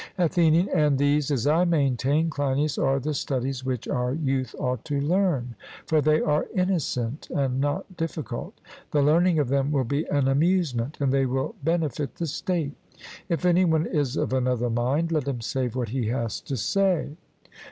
ATHENIAN: And these, as I maintain, Cleinias, are the studies which our youth ought to learn, for they are innocent and not difficult; the learning of them will be an amusement, and they will benefit the state. If any one is of another mind, let him say what he has to say.